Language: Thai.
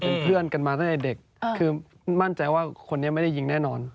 เป็นเพื่อนกันมาตั้งแต่เด็กคือมั่นใจว่าคนนี้ไม่ได้ยิงแน่นอน